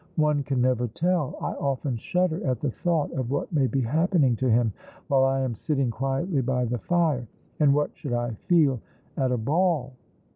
One can never tell. I often shudder at the thought of what may be happening to him while I am sitting quietly by the fire. And what should I feel at a ball